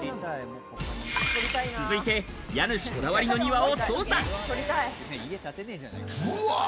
続いて、家主こだわりの庭を捜査。